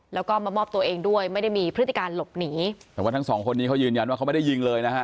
แล้วก็มามอบตัวเองด้วยไม่ได้มีพฤติการหลบหนีแต่ว่าทั้งสองคนนี้เขายืนยันว่าเขาไม่ได้ยิงเลยนะฮะ